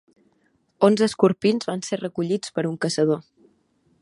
Onze escorpins van ser recollits per un caçador.